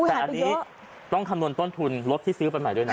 แต่อันนี้ต้องคำนวณต้นทุนรถที่ซื้อไปใหม่ด้วยนะ